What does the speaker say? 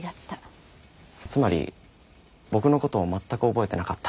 つまり僕のことを全く覚えてなかった。